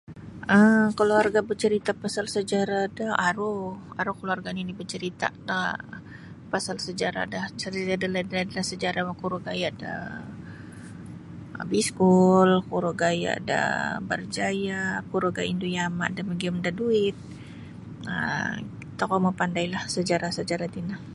um Kaluarga bacarita pasal sejarah da aru aru kaluarga nini bacarita pasal da sejarah da carita da laid-laid sejarah nokuro gayad da iskul kuro gaya da barjaya kuro gaya indu yama da mogium da duit um tokou mapandailah sejarah-sejarah ti no.